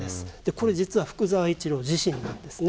これ実は福沢一郎自身なんですね。